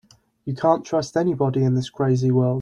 You can't trust anybody in this crazy world.